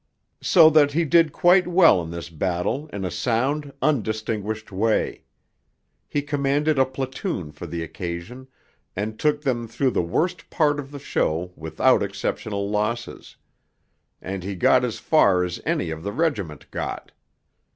So that he did quite well in this battle in a sound, undistinguished way. He commanded a platoon for the occasion, and took them through the worst part of the show without exceptional losses; and he got as far as any of the regiment got.